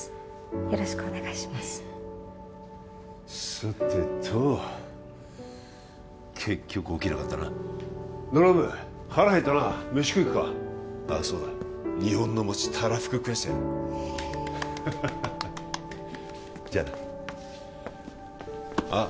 さてと結局起きなかったなドラム腹減ったな飯食い行くかあっそうだ日本の餅たらふく食わせてやるよじゃあなあっ